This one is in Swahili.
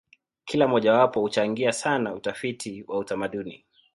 Kila mojawapo huchangia sana utafiti wa utamaduni.